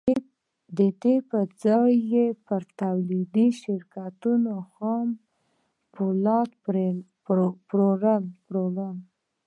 د دې پر ځای يې پر توليدي شرکتونو خام پولاد پلورل.